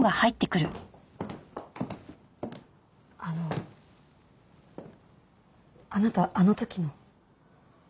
あのあなたあの時の。